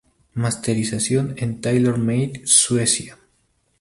Masterización en Tailor Maid, Suecia.